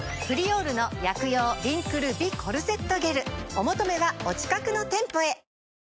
お求めはお近くの店舗へ。